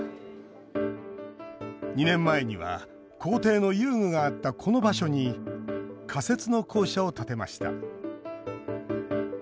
２年前には校庭の遊具があったこの場所に仮設の校舎を建てました。